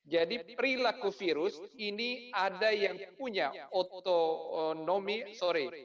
jadi perilaku virus ini ada yang punya otonomi sorry